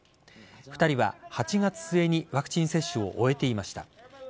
２人は、８月末にワクチン接種を終えていました。